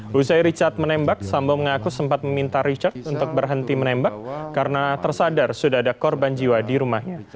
usai richard menembak sambo mengaku sempat meminta richard untuk berhenti menembak karena tersadar sudah ada korban jiwa di rumahnya